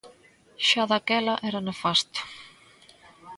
Xa daquela era nefasto.